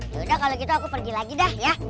yaudah kalau gitu aku pergi lagi dah ya